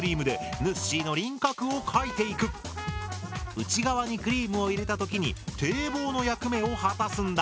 内側にクリームを入れた時に堤防の役目を果たすんだ。